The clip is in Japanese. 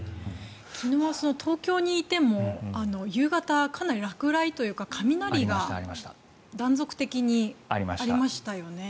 昨日、東京にいても夕方、かなり落雷というか雷が断続的にありましたよね。